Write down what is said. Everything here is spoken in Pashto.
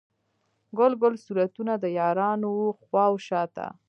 ګل ګل صورتونه، د یارانو و خواو شاته